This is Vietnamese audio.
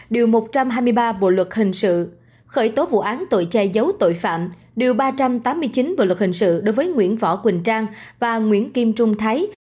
điều một trăm hai mươi ba bộ luật hình sự khởi tố vụ án tội che giấu tội phạm điều ba trăm tám mươi chín bộ luật hình sự đối với nguyễn võ quỳnh trang và nguyễn kim trung thái